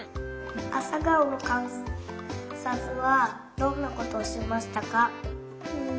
あさがおのかんさつはどんなことをしましたか。